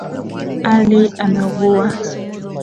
Ali ameugua.